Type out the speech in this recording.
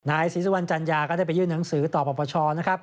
นายศิษย์วันจันยาก็ได้ไปยื่นหนังสือต่อประประชานะครับ